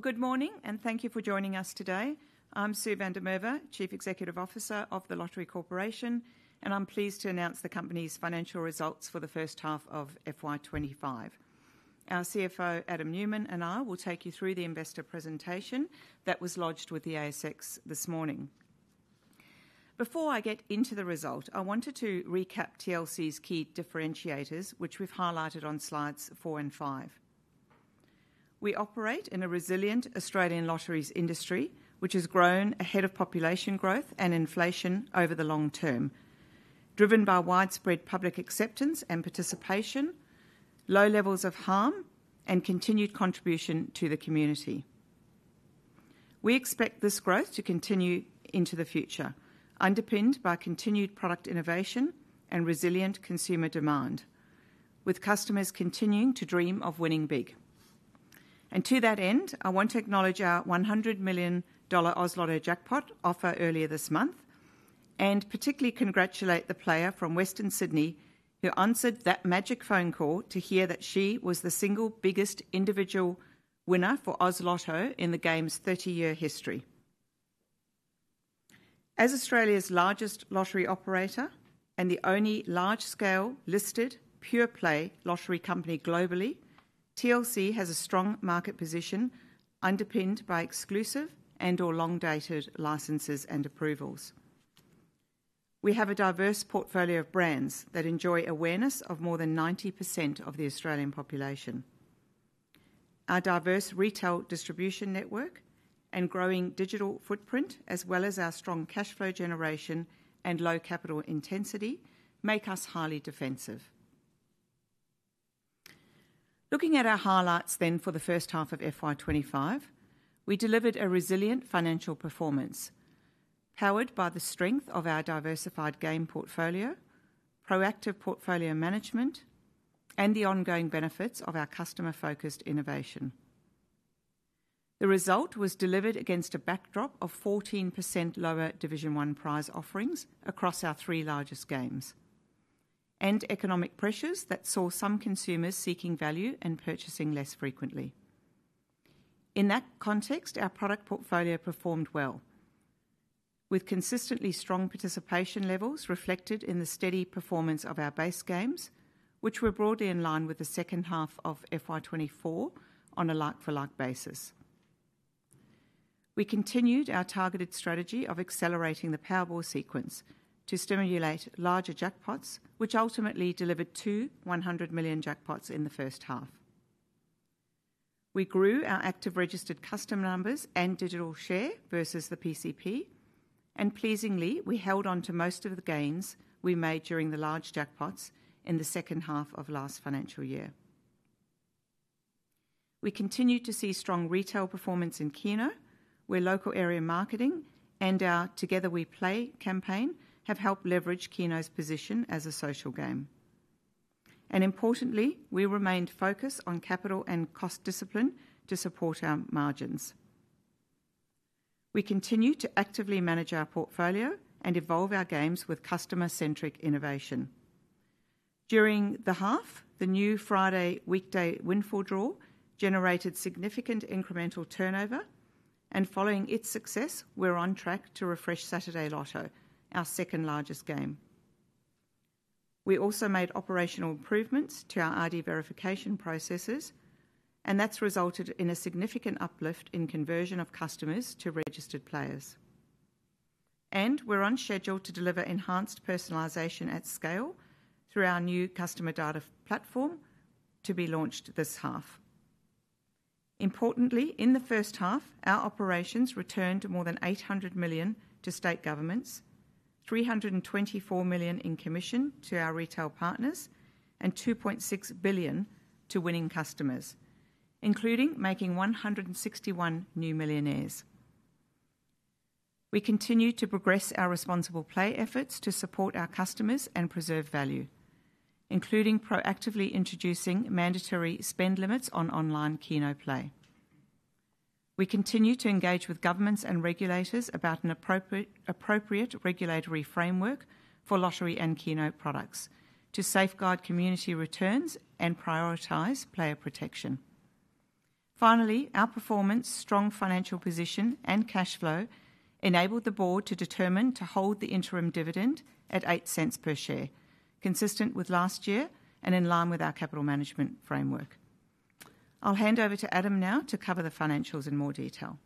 Good Morning, and Thank You For Joining Us Today. I'm Sue van der Merwe, Chief Executive Officer of The Lottery Corporation, and I'm pleased to announce the company's financial results for the first half of FY25. Our CFO, Adam Newman, and I will take you through the investor presentation that was lodged with the ASX this morning. Before I get into the result, I wanted to recap TLC's key differentiators, which we've highlighted on slides four and five. We operate in a resilient Australian lotteries industry, which has grown ahead of population growth and inflation over the long term, driven by widespread public acceptance and participation, low levels of harm, and continued contribution to the community. We expect this growth to continue into the future, underpinned by continued product innovation and resilient consumer demand, with customers continuing to dream of winning big. And to that end, I want to acknowledge our 100 million dollar Oz Lotto jackpot offer earlier this month, and particularly congratulate the player from Western Sydney who answered that magic phone call to hear that she was the single biggest individual winner for Oz Lotto in the game's 30 year history. As Australia's largest lottery operator and the only large-scale listed pure-play lottery company globally, TLC has a strong market position underpinned by exclusive and/or long-dated licenses and approvals. We have a diverse portfolio of brands that enjoy awareness of more than 90% of the Australian population. Our diverse retail distribution network and growing digital footprint, as well as our strong cash flow generation and low capital intensity, make us highly defensive. Looking at our highlights then for the first half of FY25, we delivered a resilient financial performance powered by the strength of our diversified game portfolio, proactive portfolio management, and the ongoing benefits of our customer-focused innovation. The result was delivered against a backdrop of 14% lower Division One prize offerings across our three largest games, and economic pressures that saw some consumers seeking value and purchasing less frequently. In that context, our product portfolio performed well, with consistently strong participation levels reflected in the steady performance of our base games, which were broadly in line with the second half of FY24 on a like-for-like basis. We continued our targeted strategy of accelerating the Powerball sequence to stimulate larger jackpots, which ultimately delivered two 100 million jackpots in the first half. We grew our active registered customer numbers and digital share versus the PCP, and pleasingly, we held on to most of the gains we made during the large jackpots in the second half of last financial year. We continue to see strong retail performance in Keno, where local area marketing and our Together We Play campaign have helped leverage Keno's position as a social game. Importantly, we remained focused on capital and cost discipline to support our margins. We continue to actively manage our portfolio and evolve our games with customer-centric innovation. During the half, the new Friday Weekday Windfall draw generated significant incremental turnover, and following its success, we're on track to refresh Saturday Lotto, our second largest game. We also made operational improvements to our ID verification processes, and that's resulted in a significant uplift in conversion of customers to registered players. We're on schedule to deliver enhanced personalization at scale through our new customer data platform to be launched this half. Importantly, in the first half, our operations returned more than 800 million to state governments, 324 million in commission to our retail partners, and 2.6 billion to winning customers, including making 161 new millionaires. We continue to progress our responsible play efforts to support our customers and preserve value, including proactively introducing mandatory spend limits on online Keno play. We continue to engage with governments and regulators about an appropriate regulatory framework for lottery and Keno products to safeguard community returns and prioritize player protection. Finally, our performance, strong financial position, and cash flow enabled the board to determine to hold the interim dividend at 0.08 per share, consistent with last year and in line with our capital management framework. I'll hand over to Adam now to cover the financials in more detail.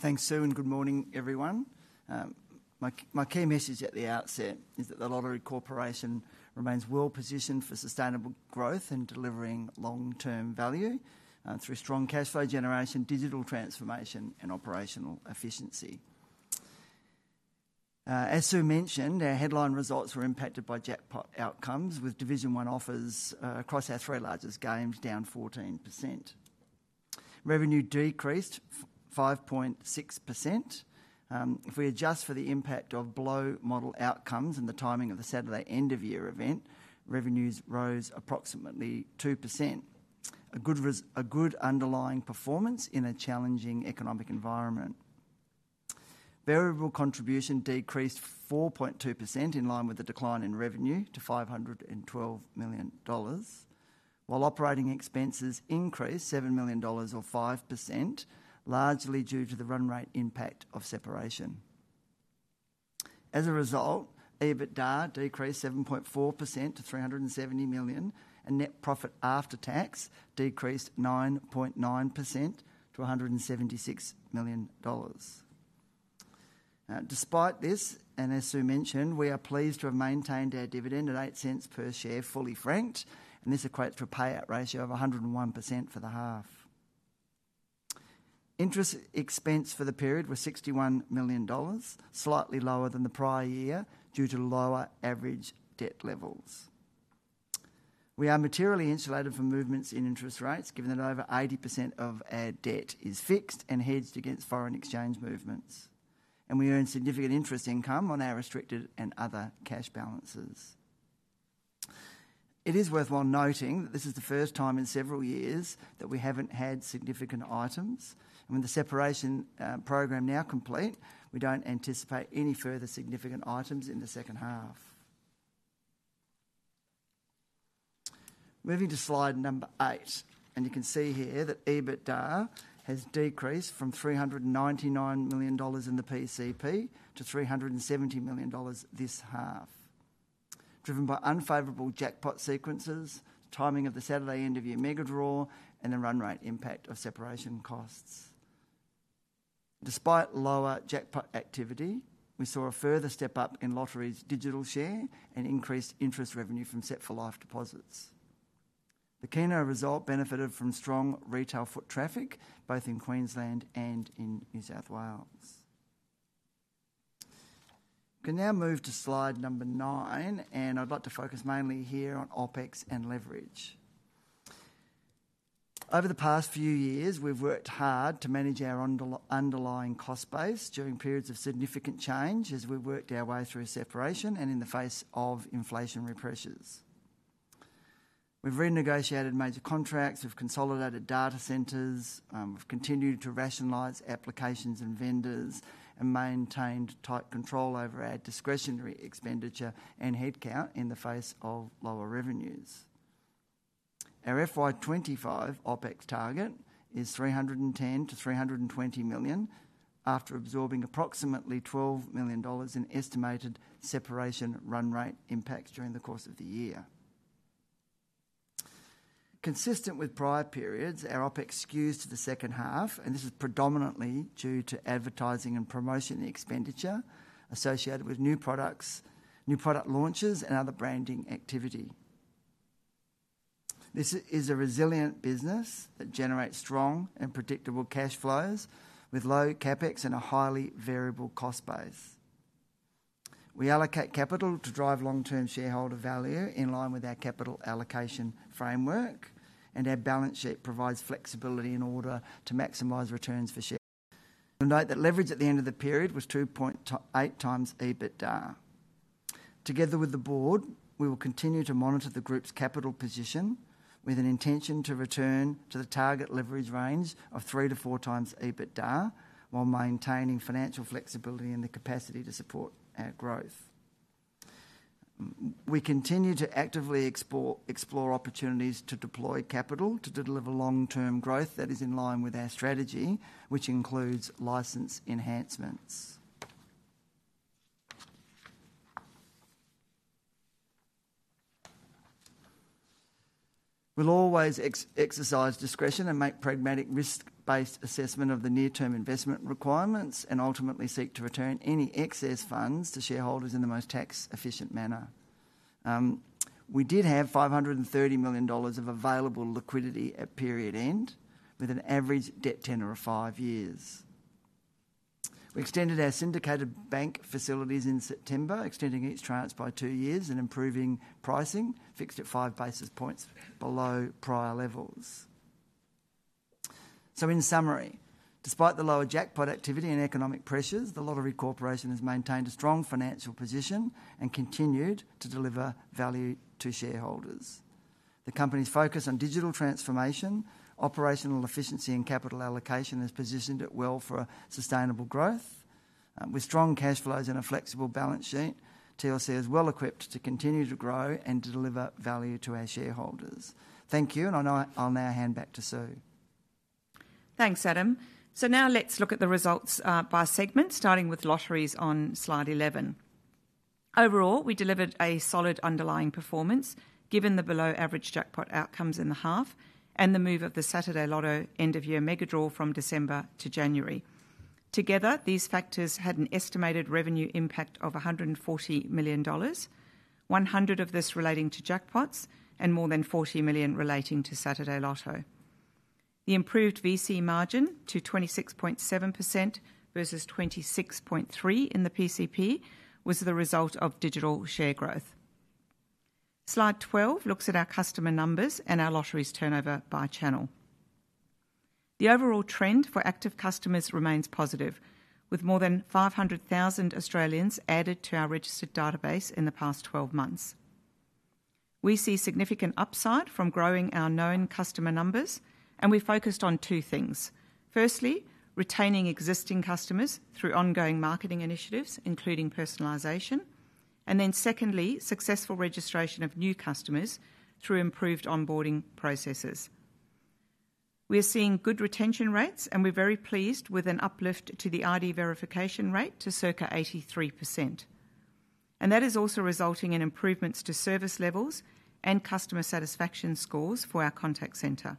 Thanks, Sue, and good morning, everyone. My key message at the outset is that the Lottery Corporation remains well positioned for sustainable growth and delivering long-term value through strong cash flow generation, digital transformation, and operational efficiency. As Sue mentioned, our headline results were impacted by jackpot outcomes, with Division One offers across our three largest games down 14%. Revenue decreased 5.6%. If we adjust for the impact of below model outcomes and the timing of the Saturday end-of-year event, revenues rose approximately 2%, a good underlying performance in a challenging economic environment. Variable contribution decreased 4.2% in line with the decline in revenue to 512 million dollars, while operating expenses increased 7 million dollars or 5%, largely due to the run rate impact of separation. As a result, EBITDA decreased 7.4% to 370 million, and net profit after tax decreased 9.9% to 176 million dollars. Despite this, and as Sue mentioned, we are pleased to have maintained our dividend at 0.08 per share fully franked, and this equates to a payout ratio of 101% for the half. Interest expense for the period was 61 million dollars, slightly lower than the prior year due to lower average debt levels. We are materially insulated from movements in interest rates, given that over 80% of our debt is fixed and hedged against foreign exchange movements, and we earn significant interest income on our restricted and other cash balances. It is worthwhile noting that this is the first time in several years that we haven't had significant items, and with the separation program now complete, we don't anticipate any further significant items in the second half. Moving to slide number eight, and you can see here that EBITDA has decreased from 399 million dollars in the PCP to 370 million dollars this half, driven by unfavorable jackpot sequences, timing of the Saturday end-of-year Megadraw, and the run rate impact of separation costs. Despite lower jackpot activity, we saw a further step up in lotteries' digital share and increased interest revenue from Set for Life deposits. The Keno result benefited from strong retail foot traffic both in Queensland and in New South Wales. We can now move to slide number nine, and I'd like to focus mainly here on OPEX and leverage. Over the past few years, we've worked hard to manage our underlying cost base during periods of significant change as we worked our way through separation and in the face of inflationary pressures. We've renegotiated major contracts, we've consolidated data centers, we've continued to rationalize applications and vendors, and maintained tight control over our discretionary expenditure and headcount in the face of lower revenues. Our FY25 OPEX target is 310 million to 320 million after absorbing approximately 12 million dollars in estimated separation run rate impacts during the course of the year. Consistent with prior periods, our OPEX skews to the second half, and this is predominantly due to advertising and promotion expenditure associated with new product launches and other branding activity. This is a resilient business that generates strong and predictable cash flows with low CapEx and a highly variable cost base. We allocate capital to drive long-term shareholder value in line with our capital allocation framework, and our balance sheet provides flexibility in order to maximize returns for share. Note that leverage at the end of the period was 2.8 times EBITDA. Together with the board, we will continue to monitor the group's capital position with an intention to return to the target leverage range of three to four times EBITDA while maintaining financial flexibility and the capacity to support our growth. We continue to actively explore opportunities to deploy capital to deliver long-term growth that is in line with our strategy, which includes license enhancements. We'll always exercise discretion and make pragmatic risk-based assessment of the near-term investment requirements and ultimately seek to return any excess funds to shareholders in the most tax-efficient manner. We did have 530 million dollars of available liquidity at period end with an average debt tenor of five years. We extended our syndicated bank facilities in September, extending each tranche by two years and improving pricing, fixed at five basis points below prior levels. So, in summary, despite the lower jackpot activity and economic pressures, the Lottery Corporation has maintained a strong financial position and continued to deliver value to shareholders. The company's focus on digital transformation, operational efficiency, and capital allocation has positioned it well for sustainable growth. With strong cash flows and a flexible balance sheet, TLC is well equipped to continue to grow and to deliver value to our shareholders. Thank you, and I'll now hand back to Sue. Thanks, Adam. So now let's look at the results by segment, starting with lotteries on Slide 11. Overall, we delivered a solid underlying performance given the below-average jackpot outcomes in the half and the move of the Saturday Lotto end-of-year Megadraw from December to January. Together, these factors had an estimated revenue impact of 140 million dollars, 100 million of this relating to jackpots and more than 40 million relating to Saturday Lotto. The improved VC margin to 26.7% versus 26.3% in the PCP was the result of digital share growth. Slide 12 looks at our customer numbers and our lotteries turnover by channel. The overall trend for active customers remains positive, with more than 500,000 Australians added to our registered database in the past 12 months. We see significant upside from growing our known customer numbers, and we focused on two things. Firstly, retaining existing customers through ongoing marketing initiatives, including personalization, and then secondly, successful registration of new customers through improved onboarding processes. We are seeing good retention rates, and we're very pleased with an uplift to the ID verification rate to circa 83%. And that is also resulting in improvements to service levels and customer satisfaction scores for our contact center.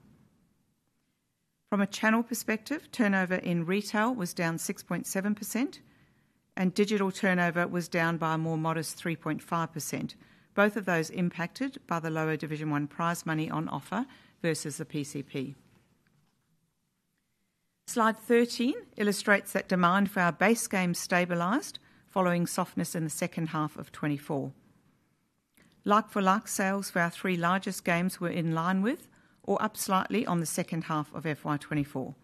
From a channel perspective, turnover in retail was down 6.7%, and digital turnover was down by a more modest 3.5%, both of those impacted by the lower Division One prize money on offer versus the PCP. Slide 13 illustrates that demand for our base game stabilized following softness in the second half of '24. Like-for-like sales for our three largest games were in line with or up slightly on the second half of FY24.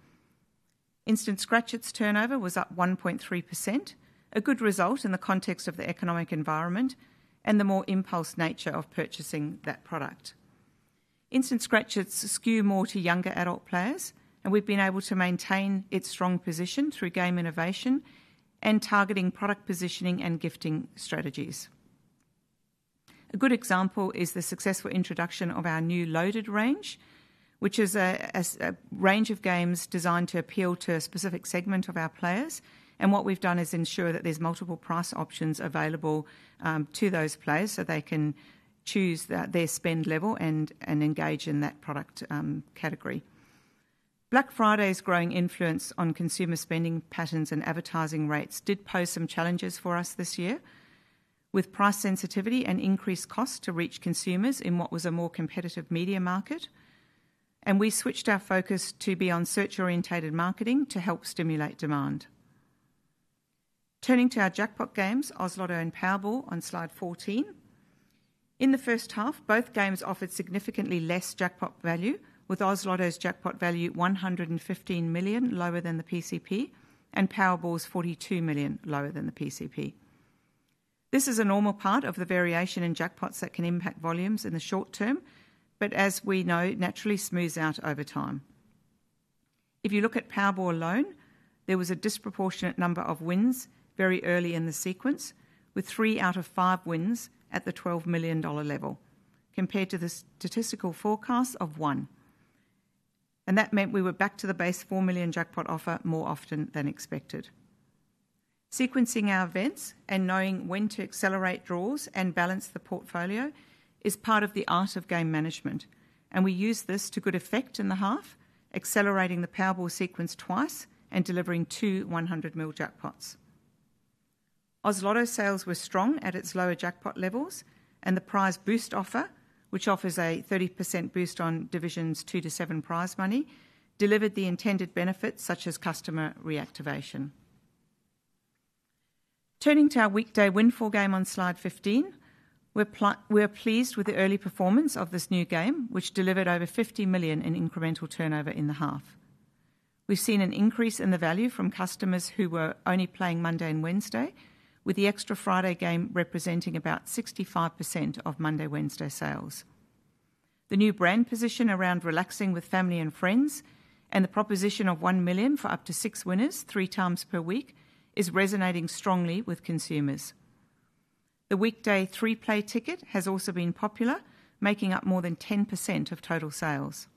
Instant Scratch-Its turnover was up 1.3%, a good result in the context of the economic environment and the more impulse nature of purchasing that product. Instant Scratch-Its skew more to younger adult players, and we've been able to maintain its strong position through game innovation and targeting product positioning and gifting strategies. A good example is the successful introduction of our new Loaded range, which is a range of games designed to appeal to a specific segment of our players, and what we've done is ensure that there's multiple price options available to those players so they can choose their spend level and engage in that product category. Black Friday's growing influence on consumer spending patterns and advertising rates did pose some challenges for us this year with price sensitivity and increased costs to reach consumers in what was a more competitive media market. We switched our focus to be on search-oriented marketing to help stimulate demand. Turning to our jackpot games, Oz Lotto and Powerball on slide 14. In the first half, both games offered significantly less jackpot value, with Oz Lotto's jackpot value 115 million lower than the PCP and Powerball's 42 million lower than the PCP. This is a normal part of the variation in jackpots that can impact volumes in the short term, but as we know, naturally smooths out over time. If you look at Powerball alone, there was a disproportionate number of wins very early in the sequence, with three out of five wins at the 12 million dollar level compared to the statistical forecast of one. That meant we were back to the base 4 million jackpot offer more often than expected. Sequencing our events and knowing when to accelerate draws and balance the portfolio is part of the art of game management, and we use this to good effect in the half, accelerating the Powerball sequence twice and delivering two 100 million jackpots. Oz Lotto sales were strong at its lower jackpot levels, and the prize boost offer, which offers a 30% boost on divisions two to seven prize money, delivered the intended benefits such as customer reactivation. Turning to our Weekday Windfall game on slide 15, we're pleased with the early performance of this new game, which delivered over 50 million in incremental turnover in the half. We've seen an increase in the value from customers who were only playing Monday and Wednesday, with the extra Friday game representing about 65% of Monday-Wednesday sales. The new brand position around relaxing with family and friends and the proposition of 1 million for up to six winners three times per week is resonating strongly with consumers. The weekday 3 Play ticket has also been popular, making up more than 10% of total sales.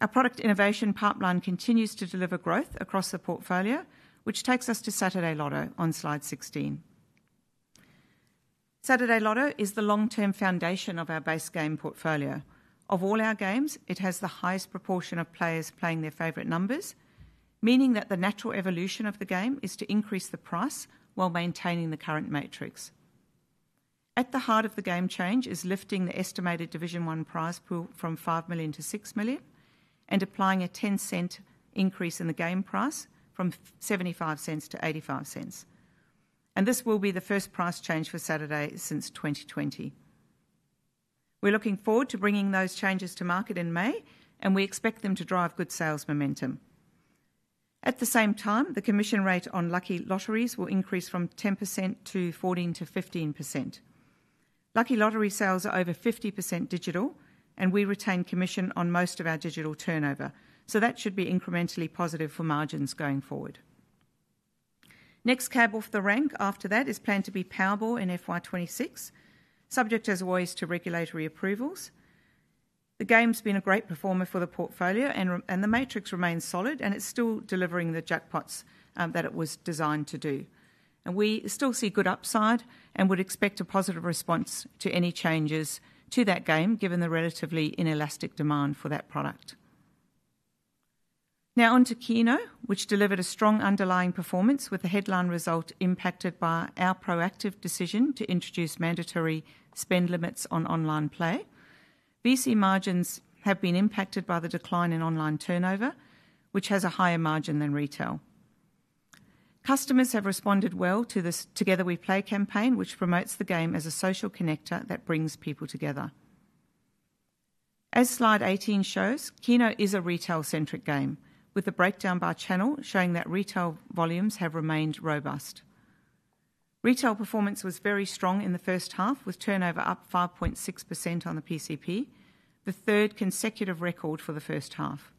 Our product innovation pipeline continues to deliver growth across the portfolio, which takes us to Saturday Lotto on slide 16. Saturday Lotto is the long-term foundation of our base game portfolio. Of all our games, it has the highest proportion of players playing their favorite numbers, meaning that the natural evolution of the game is to increase the price while maintaining the current matrix. At the heart of the game change is lifting the estimated Division One prize pool from 5 to 6 million and applying a 0.10 increase in the game price from 0.75 to 0.85. And this will be the first price change for Saturday since 2020. We're looking forward to bringing those changes to market in May, and we expect them to drive good sales momentum. At the same time, the commission rate on Lucky Lotteries will increase from 10% to 14% to 15%. Lucky Lotteries sales are over 50% digital, and we retain commission on most of our digital turnover, so that should be incrementally positive for margins going forward. Next cab off the rank after that is planned to be Powerball in FY26, subject as always to regulatory approvals. The game's been a great performer for the portfolio, and the matrix remains solid, and it's still delivering the jackpots that it was designed to do. And we still see good upside and would expect a positive response to any changes to that game given the relatively inelastic demand for that product. Now on to Keno, which delivered a strong underlying performance with the headline result impacted by our proactive decision to introduce mandatory spend limits on online play. VC margins have been impacted by the decline in online turnover, which has a higher margin than retail. Customers have responded well to the Together We Play campaign, which promotes the game as a social connector that brings people together. As slide 18 shows, Keno is a retail-centric game, with the breakdown by channel showing that retail volumes have remained robust. Retail performance was very strong in the first half, with turnover up 5.6% on the PCP, the third consecutive record for the first half.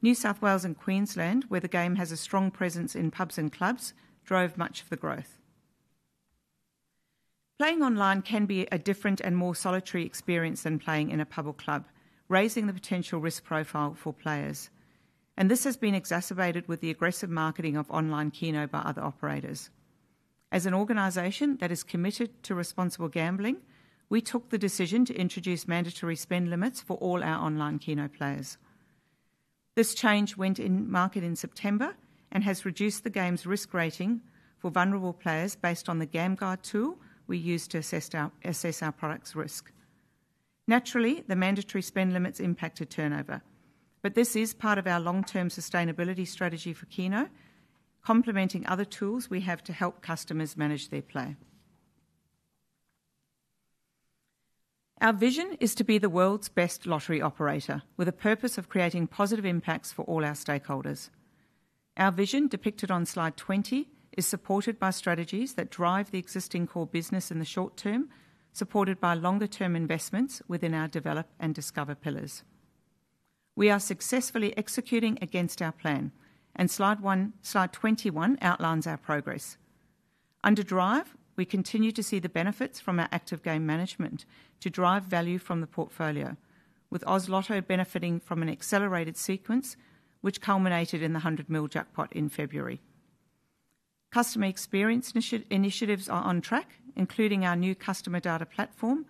New South Wales and Queensland, where the game has a strong presence in pubs and clubs, drove much of the growth. Playing online can be a different and more solitary experience than playing in a pub or club, raising the potential risk profile for players. And this has been exacerbated with the aggressive marketing of online Keno by other operators. As an organization that is committed to responsible gambling, we took the decision to introduce mandatory spend limits for all our online Keno players. This change went in market in September and has reduced the game's risk rating for vulnerable players based on the GamGard tool we use to assess our product's risk. Naturally, the mandatory spend limits impacted turnover, but this is part of our long-term sustainability strategy for Keno, complementing other tools we have to help customers manage their play. Our vision is to be the world's best lottery operator with a purpose of creating positive impacts for all our stakeholders. Our vision depicted on slide 20 is supported by strategies that drive the existing core business in the short term, supported by longer-term investments within our develop and discover pillars. We are successfully executing against our plan, and slide 21 outlines our progress. Under drive, we continue to see the benefits from our active game management to drive value from the portfolio, with Oz Lotto benefiting from an accelerated sequence which culminated in the 100 million jackpot in February. Customer experience initiatives are on track, including our new customer data platform,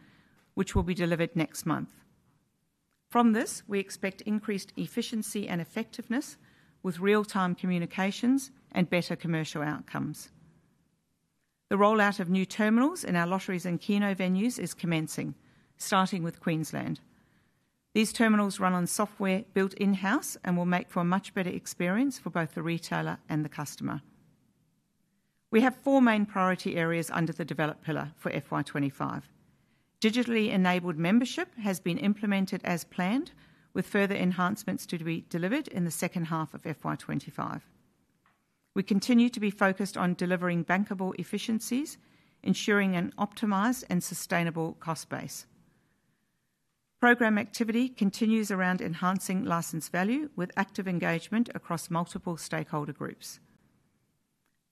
which will be delivered next month. From this, we expect increased efficiency and effectiveness with real-time communications and better commercial outcomes. The rollout of new terminals in our lotteries and Keno venues is commencing, starting with Queensland. These terminals run on software built in-house and will make for a much better experience for both the retailer and the customer. We have four main priority areas under the develop pillar for FY25. Digitally enabled membership has been implemented as planned, with further enhancements to be delivered in the second half of FY25. We continue to be focused on delivering bankable efficiencies, ensuring an optimized and sustainable cost base. Program activity continues around enhancing license value with active engagement across multiple stakeholder groups.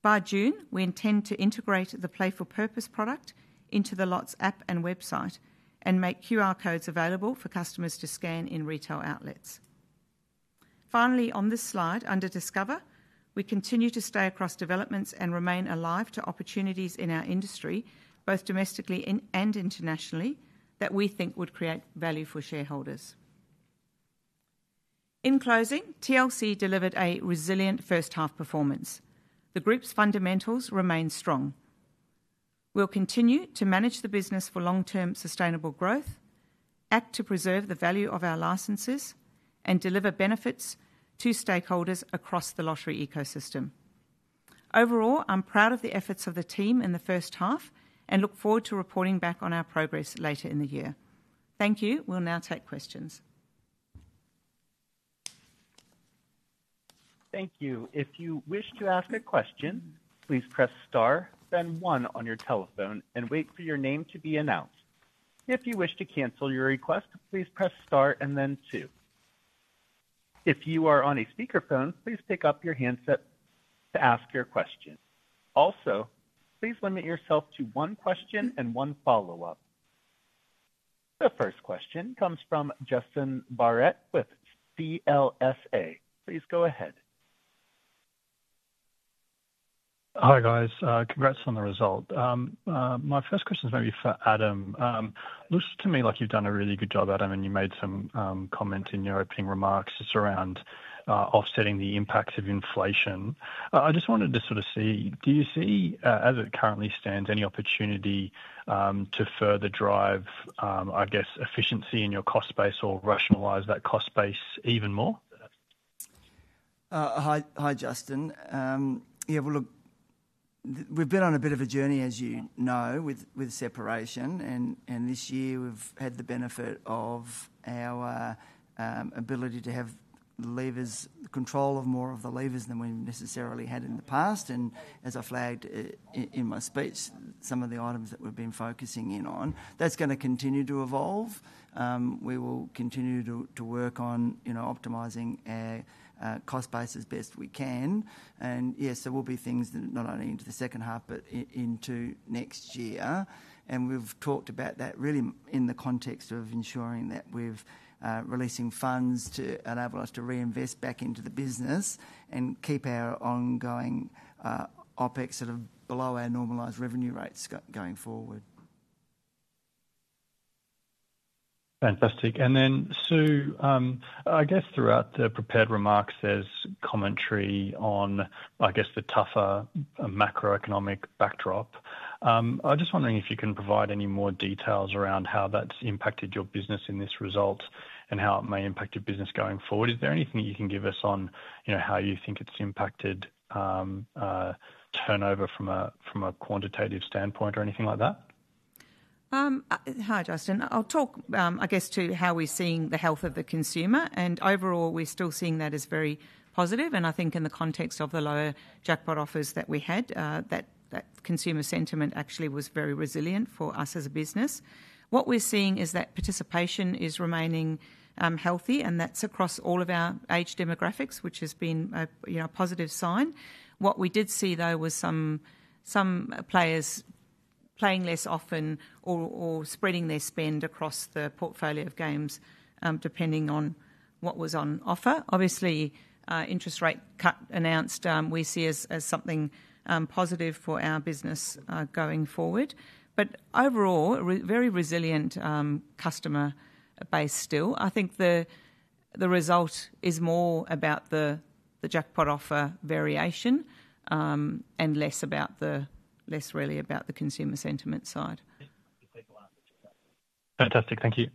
By June, we intend to integrate the Playful Purpose product into The Lott's app and website and make QR codes available for customers to scan in retail outlets. Finally, on this slide, under discover, we continue to stay across developments and remain alive to opportunities in our industry, both domestically and internationally, that we think would create value for shareholders. In closing, TLC delivered a resilient first half performance. The group's fundamentals remain strong. We'll continue to manage the business for long-term sustainable growth, act to preserve the value of our licenses, and deliver benefits to stakeholders across the lottery ecosystem. Overall, I'm proud of the efforts of the team in the first half and look forward to reporting back on our progress later in the year. Thank you. We'll now take questions. Thank you. If you wish to ask a question, please press star, then one on your telephone, and wait for your name to be announced. If you wish to cancel your request, please press star and then two. If you are on a speakerphone, please pick up your handset to ask your question. Also, please limit yourself to one question and one follow-up. The first question comes from Justin Barratt with CLSA. Please go ahead. Hi guys. Congrats on the result. My first question is maybe for Adam. It looks to me like you've done a really good job, Adam, and you made some comment in your opening remarks just around offsetting the impacts of inflation. I just wanted to sort of see, do you see, as it currently stands, any opportunity to further drive, I guess, efficiency in your cost base or rationalize that cost base even more? Hi, Justin. Yeah, we've been on a bit of a journey, as you know, with separation, and this year, we've had the benefit of our ability to have levers control of more of the levers than we necessarily had in the past. And as I flagged in my speech, some of the items that we've been focusing in on, that's going to continue to evolve. We will continue to work on optimizing our cost base best we can. And yes, there will be things not only into the second half, but into next year. And we've talked about that really in the context of ensuring that we're releasing funds to enable us to reinvest back into the business and keep our ongoing OPEX sort of below our normalized revenue rates going forward. Fantastic. And then, Sue, I guess throughout the prepared remarks as commentary on, I guess, the tougher macroeconomic backdrop, I'm just wondering if you can provide any more details around how that's impacted your business in this result and how it may impact your business going forward. Is there anything that you can give us on how you think it's impacted turnover from a quantitative standpoint or anything like that? Hi, Justin. I'll talk, I guess, to how we're seeing the health of the consumer. Overall, we're still seeing that as very positive. I think in the context of the lower jackpot offers that we had, that consumer sentiment actually was very resilient for us as a business. What we're seeing is that participation is remaining healthy, and that's across all of our age demographics, which has been a positive sign. What we did see, though, was some players playing less often or spreading their spend across the portfolio of games depending on what was on offer. Obviously, interest rate cut announced we see as something positive for our business going forward. Overall, a very resilient customer base still. I think the result is more about the jackpot offer variation and less really about the consumer sentiment side. Fantastic. Thank you.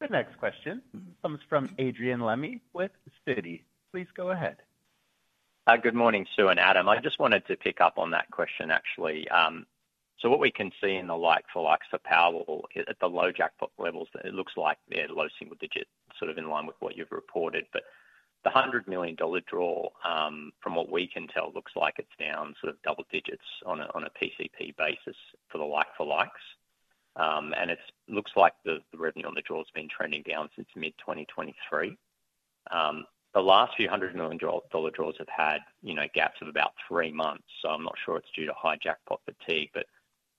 The next question comes from Adrian Lemme with Citi. Please go ahead. Hi, good morning, Sue and Adam. I just wanted to pick up on that question, actually. So what we can see in the like-for-likes for Powerball at the low jackpot levels, it looks like they're low single digits, sort of in line with what you've reported. But the 100 million dollar draw, from what we can tell, looks like it's down sort of double digits on a PCP basis for the like-for-likes. And it looks like the revenue on the draw has been trending down since mid-2023. The last few 100 million dollar draws have had gaps of about three months. So I'm not sure it's due to high jackpot fatigue, but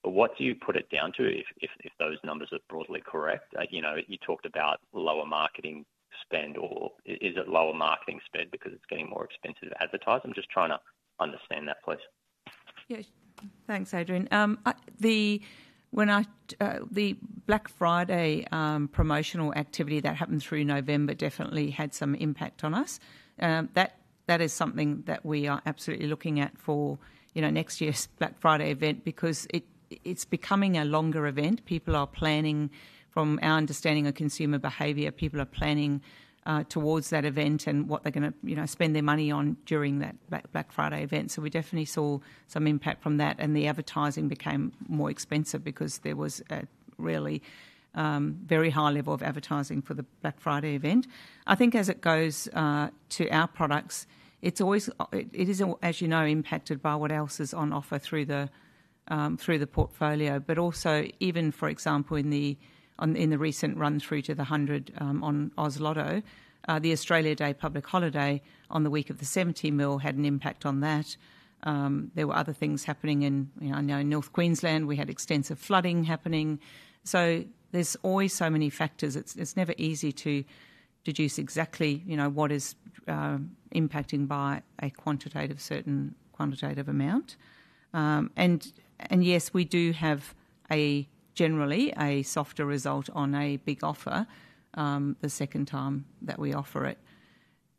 what do you put it down to if those numbers are broadly correct? You talked about lower marketing spend. Is it lower marketing spend because it's getting more expensive advertising? I'm just trying to understand that, please. Yeah. Thanks, Adrian. The Black Friday promotional activity that happened through November definitely had some impact on us. That is something that we are absolutely looking at for next year's Black Friday event because it's becoming a longer event. People are planning, from our understanding of consumer behavior, people are planning towards that event and what they're going to spend their money on during that Black Friday event. So we definitely saw some impact from that, and the advertising became more expensive because there was a really very high level of advertising for the Black Friday event. I think as it goes to our products, it is, as you know, impacted by what else is on offer through the portfolio. But also, even, for example, in the recent run-through to the 100 on Oz Lotto, the Australia Day public holiday on the week of the 17th had an impact on that. There were other things happening in North Queensland. We had extensive flooding happening. So there's always so many factors. It's never easy to deduce exactly what is impacting by a quantitative certain quantitative amount. And yes, we do have generally a softer result on a big offer the second time that we offer it.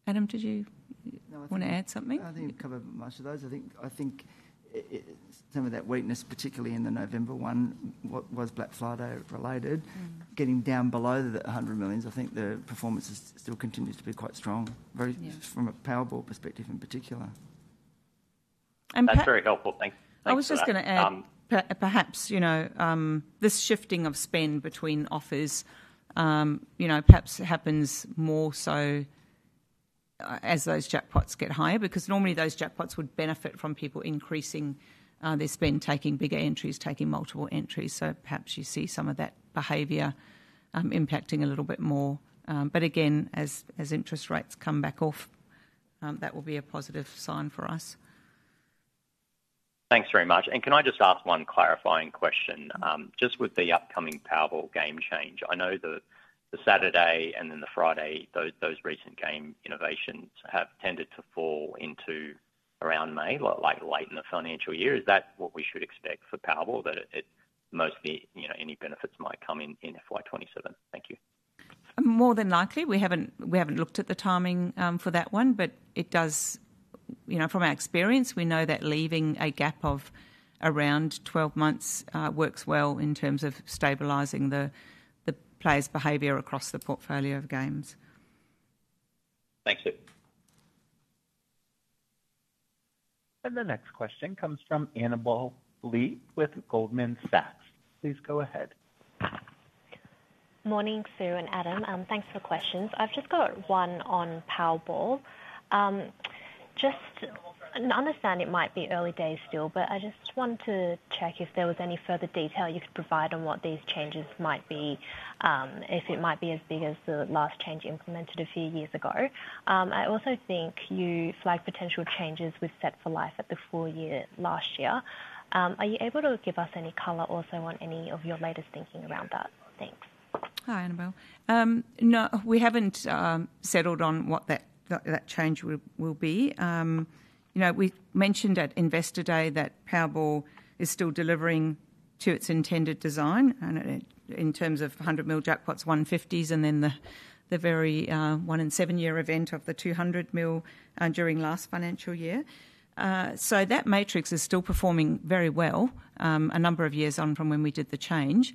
Adam, did you want to add something? I think we covered much of those. I think some of that weakness, particularly in the November one, was Black Friday related. Getting down below the 100 million, I think the performance still continues to be quite strong, from a Powerball perspective in particular. That's very helpful. Thank you. I was just going to add, perhaps this shifting of spend between offers perhaps happens more so as those jackpots get higher because normally those jackpots would benefit from people increasing their spend, taking bigger entries, taking multiple entries. So perhaps you see some of that behavior impacting a little bit more. But again, as interest rates come back off, that will be a positive sign for us. Thanks very much. And can I just ask one clarifying question? Just with the upcoming Powerball game change, I know that the Saturday and then the Friday, those recent game innovations have tended to fall into around May, like late in the financial year. Is that what we should expect for Powerball, that mostly any benefits might come in FY27? Thank you. More than likely. We haven't looked at the timing for that one, but it does, from our experience, we know that leaving a gap of around 12 months works well in terms of stabilizing the players' behavior across the portfolio of games. Thank you. The next question comes Annabel Li with Goldman Sachs. Please go ahead. Morning, Sue and Adam. Thanks for the questions. I've just got one on Powerball. Just understand it might be early days still, but I just want to check if there was any further detail you could provide on what these changes might be, if it might be as big as the last change implemented a few years ago. I also think you flagged potential changes with Set for Life at the full year last year. Are you able to give us any color also on any of your latest thinking around that? Thanks. Hi, Annabel. No, we haven't settled on what that change will be. We mentioned at Investor Day that Powerball is still delivering to its intended design in terms of 100 million jackpots, 150s, and then the very one and seven-year event of the 200 million during last financial year. So that matrix is still performing very well a number of years on from when we did the change.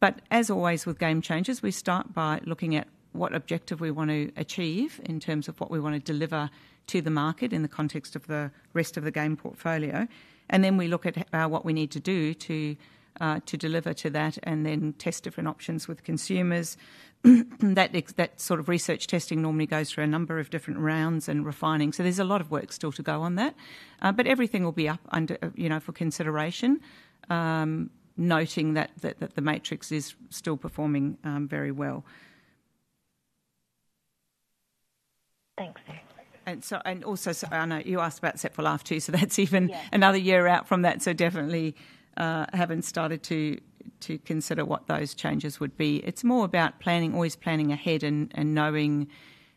But as always with game changers, we start by looking at what objective we want to achieve in terms of what we want to deliver to the market in the context of the rest of the game portfolio. And then we look at what we need to do to deliver to that and then test different options with consumers. That sort of research testing normally goes through a number of different rounds and refining. So there's a lot of work still to go on that. But everything will be up for consideration, noting that the matrix is still performing very well. Thanks, Sue. Also, I know you asked about Set for Life too, so that's even another year out from that. Definitely having started to consider what those changes would be. It's more about always planning ahead and knowing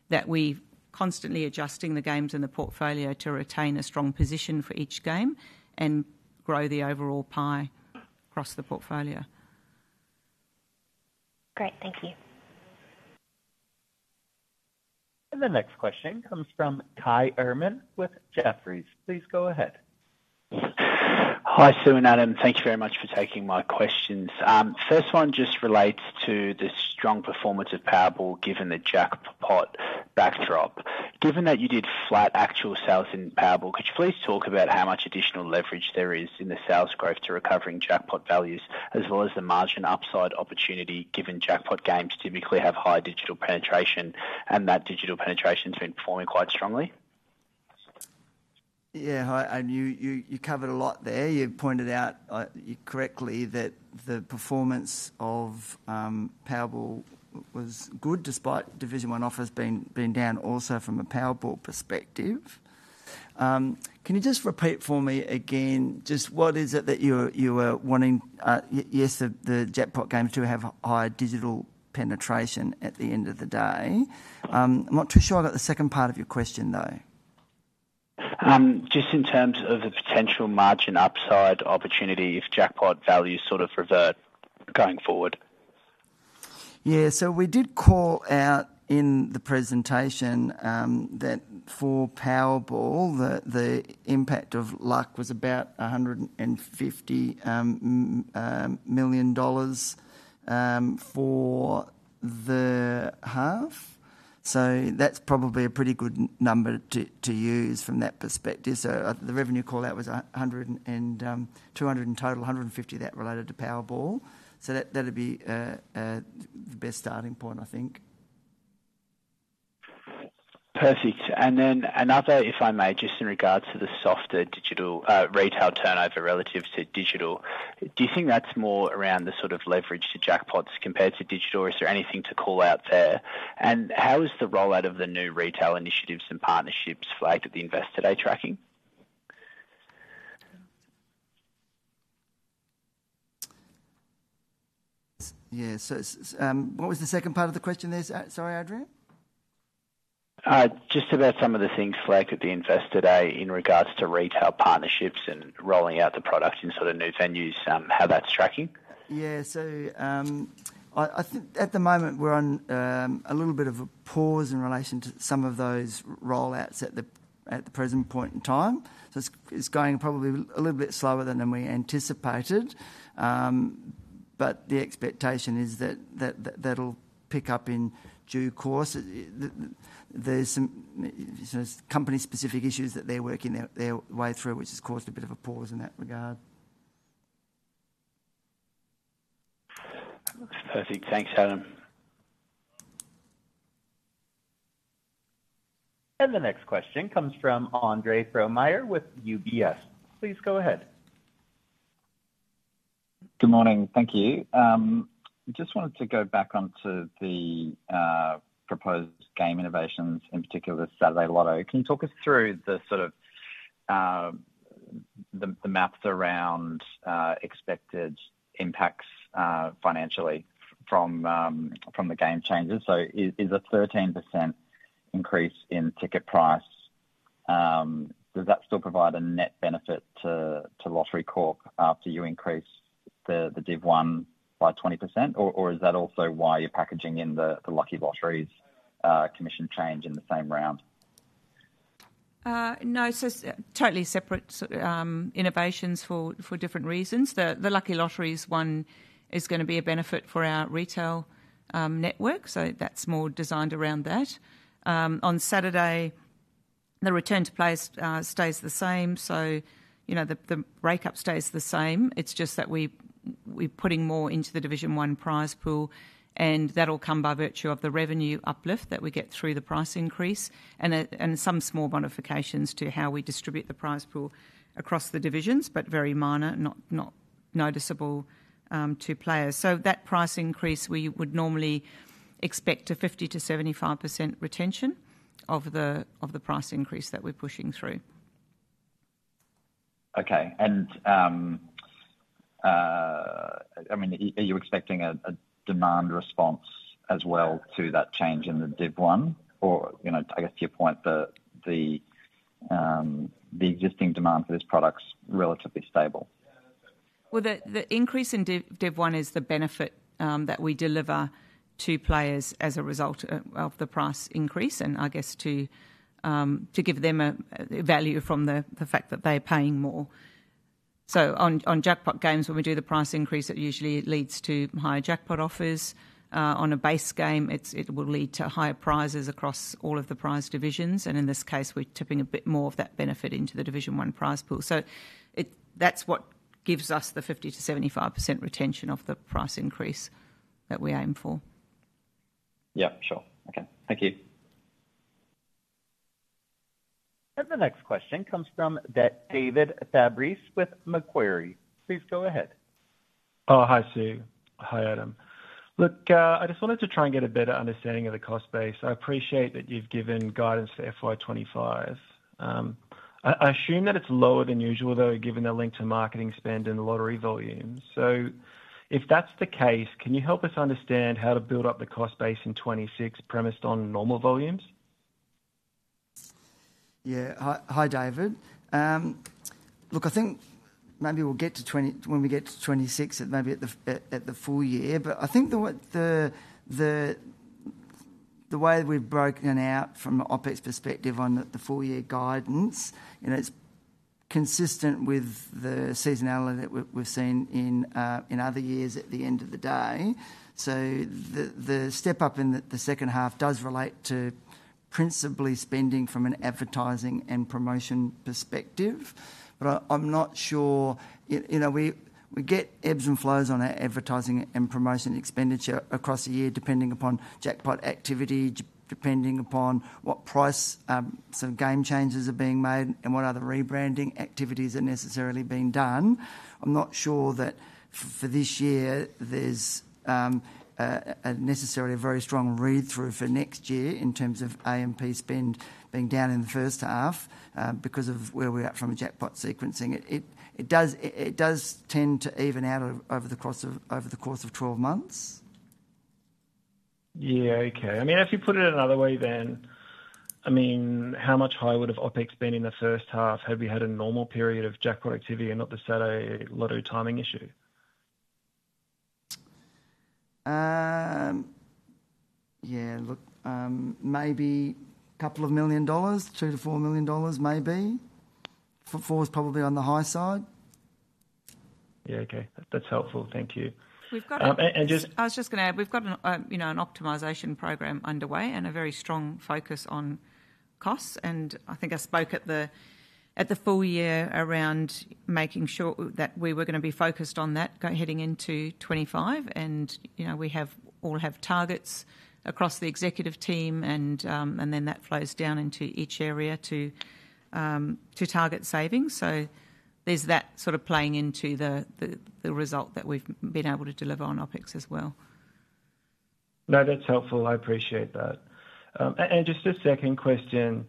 that we're constantly adjusting the games in the portfolio to retain a strong position for each game and grow the overall pie across the portfolio. Great. Thank you. The next question comes from Kai Erman with Jefferies. Please go ahead. Hi, Sue and Adam. Thank you very much for taking my questions. First one just relates to the strong performance of Powerball given the jackpot backdrop. Given that you did flat actual sales in Powerball, could you please talk about how much additional leverage there is in the sales growth to recovering jackpot values, as well as the margin upside opportunity given jackpot games typically have high digital penetration and that digital penetration has been performing quite strongly? Yeah. Hi. You covered a lot there. You pointed out correctly that the performance of Powerball was good despite Division One offers being down also from a Powerball perspective. Can you just repeat for me again just what is it that you are wanting? Yes, the jackpot games do have high digital penetration at the end of the day. I'm not too sure about the second part of your question, though. Just in terms of the potential margin upside opportunity if jackpot values sort of revert going forward. Yeah. So we did call out in the presentation that for Powerball, the impact of luck was about 150 million dollars for the half. So that's probably a pretty good number to use from that perspective. So the revenue callout was 200 million in total, 150 million that related to Powerball. So that'd be the best starting point, I think. Perfect. And then another, if I may, just in regards to the softer digital retail turnover relative to digital. Do you think that's more around the sort of leverage to jackpots compared to digital? Is there anything to call out there? And how is the rollout of the new retail initiatives and partnerships flagged at the Investor Day tracking? Yeah. So what was the second part of the question there? Sorry, Adrian. Just about some of the things flagged at the Investor Day in regards to retail partnerships and rolling out the product in sort of new venues, how that's tracking? Yeah. So I think at the moment we're on a little bit of a pause in relation to some of those rollouts at the present point in time. So it's going probably a little bit slower than we anticipated. But the expectation is that that'll pick up in due course. There's some company-specific issues that they're working their way through, which has caused a bit of a pause in that regard. That looks perfect. Thanks, Adam. The next question comes from Andre Fromyhr with UBS. Please go ahead. Good morning. Thank you. I just wanted to go back onto the proposed game innovations, in particular the Saturday Lotto. Can you talk us through the sort of the maths around expected impacts financially from the game changes? So is a 13% increase in ticket price, does that still provide a net benefit to Lottery Corp after you increase the Division 1 by 20%? Or is that also why you're packaging in the Lucky Lotteries commission change in the same round? No. So totally separate innovations for different reasons. The Lucky Lotteries one is going to be a benefit for our retail network. So that's more designed around that. On Saturday, the return to play stays the same. So the breakup stays the same. It's just that we're putting more into the Division One prize pool. And that'll come by virtue of the revenue uplift that we get through the price increase and some small modifications to how we distribute the prize pool across the divisions, but very minor, not noticeable to players. So that price increase, we would normally expect a 50% to 75% retention of the price increase that we're pushing through. Okay. And I mean, are you expecting a demand response as well to that change in the Division 1? Or I guess to your point, the existing demand for this product's relatively stable. The increase in Division 1 is the benefit that we deliver to players as a result of the price increase and I guess to give them value from the fact that they're paying more. On jackpot games, when we do the price increase, it usually leads to higher jackpot offers. On a base game, it will lead to higher prizes across all of the prize divisions. In this case, we're tipping a bit more of that benefit into the Division One prize pool. That's what gives us the 50% to 75% retention of the price increase that we aim for. Yep. Sure. Okay. Thank you. And the next question comes from David Fabris with Macquarie. Please go ahead. Oh, hi, Sue. Hi, Adam. Look, I just wanted to try and get a better understanding of the cost base. I appreciate that you've given guidance for FY25. I assume that it's lower than usual, though, given the link to marketing spend and lottery volumes. So if that's the case, can you help us understand how to build up the cost base in FY26 premised on normal volumes? Yeah. Hi, David. Look, I think maybe we'll get to when we get to '26, maybe at the full year. But I think the way we've broken out from OPEX perspective on the full-year guidance, it's consistent with the seasonality that we've seen in other years at the end of the day. So the step up in the second half does relate to principally spending from an advertising and promotion perspective. But I'm not sure. We get ebbs and flows on our advertising and promotion expenditure across the year depending upon jackpot activity, depending upon what price sort of game changes are being made and what other rebranding activities are necessarily being done. I'm not sure that for this year there's necessarily a very strong read-through for next year in terms of A&P spend being down in the first half because of where we're at from a jackpot sequencing. It does tend to even out over the course of 12 months. Yeah. Okay. I mean, if you put it another way, then, I mean, how much higher would have OPEX been in the first half had we had a normal period of jackpot activity and not the Saturday Lotto timing issue? Yeah. Look, maybe a couple of million dollars, 2 to 4 million, maybe. Four is probably on the high side. Yeah. Okay. That's helpful. Thank you. We've got a. And just. I was just going to add, we've got an optimization program underway and a very strong focus on costs. And I think I spoke at the full year around making sure that we were going to be focused on that heading into 2025. And we all have targets across the executive team, and then that flows down into each area to target savings. So there's that sort of playing into the result that we've been able to deliver on OPEX as well. No, that's helpful. I appreciate that. And just a second question.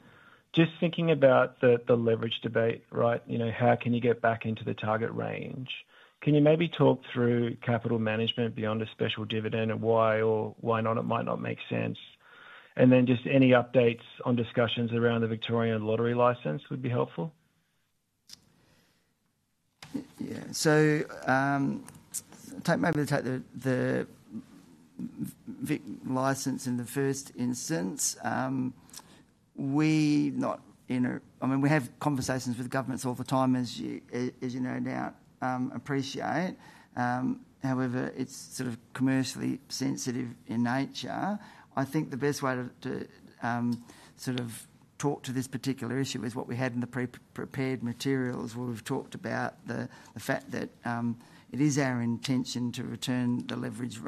Just thinking about the leverage debate, right, how can you get back into the target range? Can you maybe talk through capital management beyond a special dividend and why or why not it might not make sense? And then just any updates on discussions around the Victorian lottery license would be helpful. Yeah. So take maybe the license in the first instance. I mean, we have conversations with governments all the time, as you no doubt appreciate. However, it's sort of commercially sensitive in nature. I think the best way to sort of talk to this particular issue is what we had in the pre-prepared materials. We've talked about the fact that it is our intention to return the leverage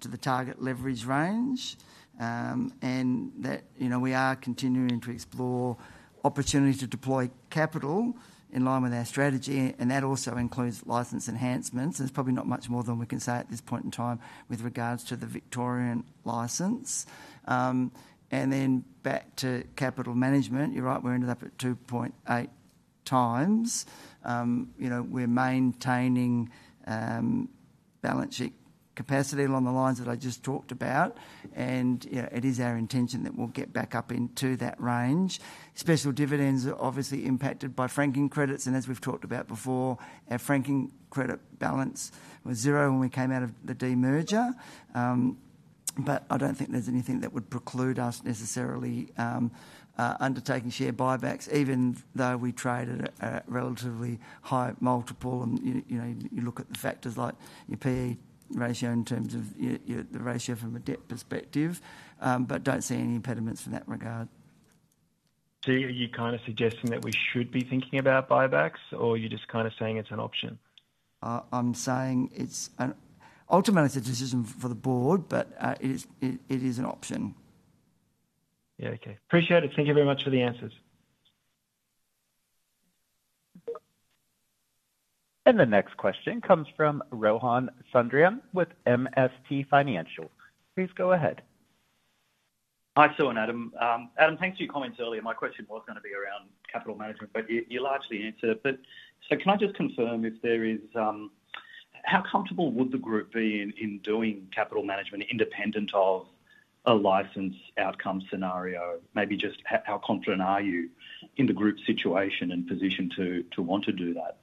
to the target leverage range and that we are continuing to explore opportunity to deploy capital in line with our strategy. And that also includes license enhancements. There's probably not much more than we can say at this point in time with regards to the Victorian license. And then back to capital management, you're right, we ended up at 2.8 times. We're maintaining balance sheet capacity along the lines that I just talked about. And it is our intention that we'll get back up into that range. Special dividends are obviously impacted by franking credits. And as we've talked about before, our franking credit balance was zero when we came out of the demerger. But I don't think there's anything that would preclude us necessarily undertaking share buybacks, even though we traded at a relatively high multiple. And you look at the factors like your PE ratio in terms of the ratio from a debt perspective, but don't see any impediments in that regard. So, are you kind of suggesting that we should be thinking about buybacks, or are you just kind of saying it's an option? I'm saying it's ultimately a decision for the board, but it is an option. Yeah. Okay. Appreciate it. Thank you very much for the answers. The next question comes from Rohan Sundram with MST Financial. Please go ahead. Hi, Sue and Adam. Adam, thanks for your comments earlier. My question was going to be around capital management, but you largely answered it. So can I just confirm how comfortable would the group be in doing capital management independent of a license outcome scenario? Maybe just how confident are you in the group situation and position to want to do that?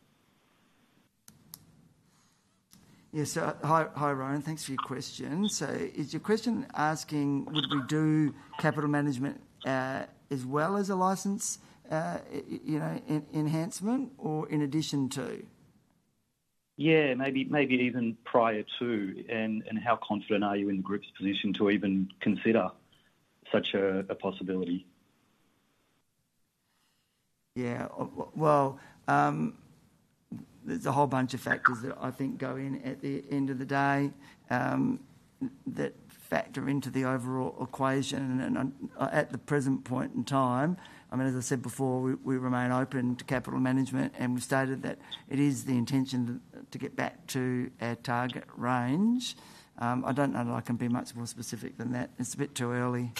Yes. Hi, Rohan. Thanks for your question. So is your question asking would we do capital management as well as a license enhancement or in addition to? Yeah. Maybe even prior to. And how confident are you in the group's position to even consider such a possibility? Yeah. Well, there's a whole bunch of factors that I think go in at the end of the day that factor into the overall equation at the present point in time. I mean, as I said before, we remain open to capital management, and we've stated that it is the intention to get back to our target range. I don't know that I can be much more specific than that. It's a bit too early.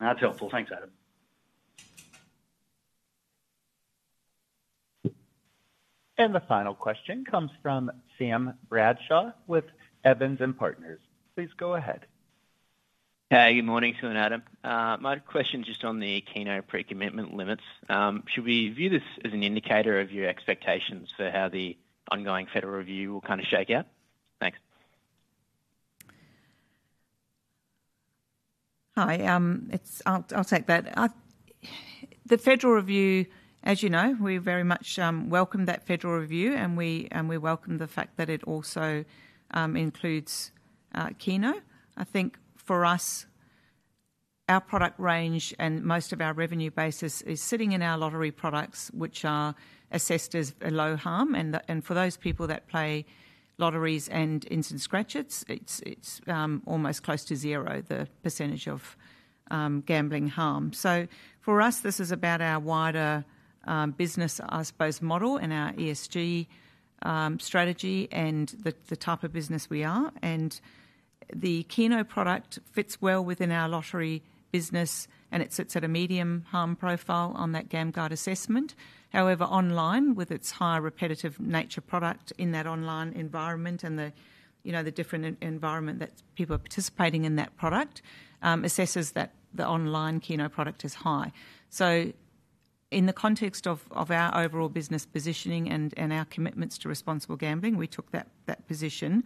That's helpful. Thanks, Adam. The final question comes from Sam Bradshaw with Evans & Partners. Please go ahead. Hi. Good morning, Sue and Adam. My question is just on the keynote pre-commitment limits. Should we view this as an indicator of your expectations for how the ongoing Federal Review will kind of shake out? Thanks. Hi. I'll take that. The Federal Review, as you know, we very much welcome that Federal Review, and we welcome the fact that it also includes Keno. I think for us, our product range and most of our revenue basis is sitting in our lottery products, which are assessed as low harm. And for those people that play lotteries and Instant Scratch-Its, it's almost close to zero, the percentage of gambling harm. So for us, this is about our wider business, I suppose, model and our ESG strategy and the type of business we are. And the Keno product fits well within our lottery business, and it sits at a medium harm profile on that GamGard assessment. However, online, with its high repetitive nature product in that online environment and the different environment that people are participating in that product assesses that the online Keno product is high. So in the context of our overall business positioning and our commitments to responsible gambling, we took that position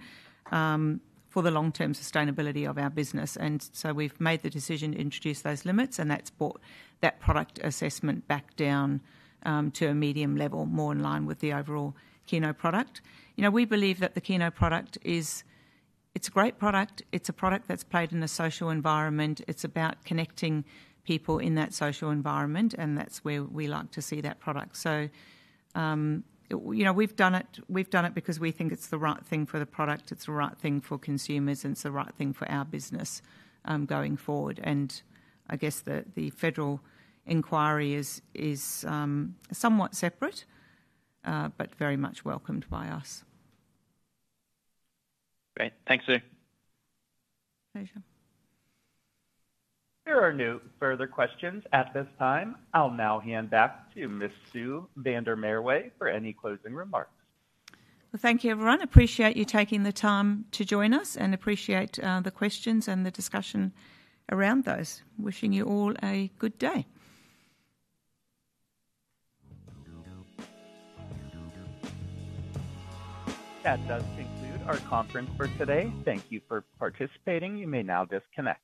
for the long-term sustainability of our business. And so we've made the decision to introduce those limits, and that's brought that product assessment back down to a medium level, more in line with the overall Keno product. We believe that the Keno product is. It's a great product. It's a product that's played in a social environment. It's about connecting people in that social environment, and that's where we like to see that product. So we've done it because we think it's the right thing for the product. It's the right thing for consumers, and it's the right thing for our business going forward. And I guess the Federal Inquiry is somewhat separate but very much welcomed by us. Great. Thanks, Sue. Pleasure. There are no further questions at this time. I'll now hand back to Ms. Sue van der Merwe for any closing remarks. Thank you, everyone. Appreciate you taking the time to join us and appreciate the questions and the discussion around those. Wishing you all a good day. That does conclude our conference for today. Thank you for participating. You may now disconnect.